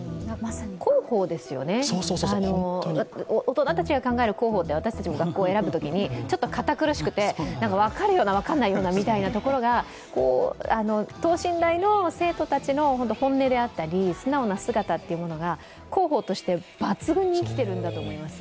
広報ですよね、大人たちが考える広報って私たちも学校を選ぶときに、ちょっと堅苦しくて、なんか分かるような分かんないようなみたいなところが、等身大の生徒たちの本音であったり素直な姿が広報として抜群に生きているんだと思います。